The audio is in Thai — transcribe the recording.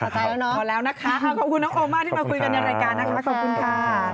พอแล้วนะคะขอบคุณน้องโอมมากที่มาคุยกันในรายการนะคะ